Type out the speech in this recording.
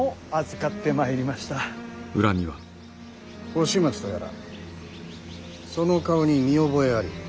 押松とやらその顔に見覚えあり。